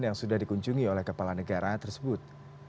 yang sudah dikunjungi oleh kepala negara tersebut